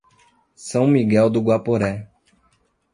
São Miguel do Guaporé